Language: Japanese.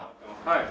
はい。